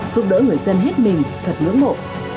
giúp đỡ người dân hết mình thật ngưỡng mộ